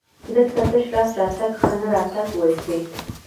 دلته تش لاس راتګ ښه نه راته وایسېد.